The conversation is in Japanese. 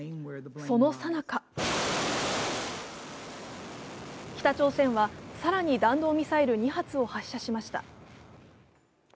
そのさなか北朝鮮は更に弾道ミサイル２発を発射しました。